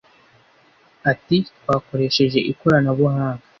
Ati “Twakoresheje ikoranabuhanga